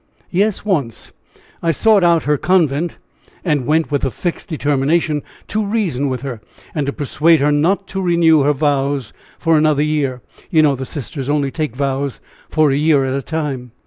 "Yes, once; I sought out her convent, and went with the fixed determination to reason with her, and to persuade her not to renew her vows for another year you know, the Sisters only take vows for a year at a time."